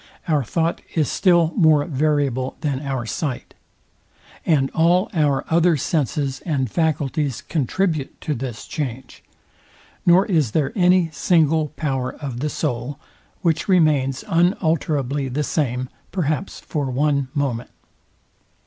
Our thought is still more variable than our sight; and all our other senses and faculties contribute to this change; nor is there any single power of the soul, which remains unalterably the same, perhaps for one moment.